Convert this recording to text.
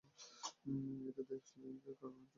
এদের দেশলাই-এর কারখানা একটা দেখবার জিনিষ।